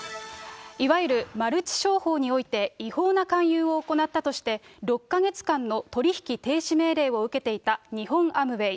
いわゆるマルチ商法において、違法な勧誘を行ったとして、６か月間の取り引き停止命令を受けていた日本アムウェイ。